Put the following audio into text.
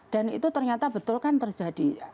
dan itu ternyata betul kan terjadi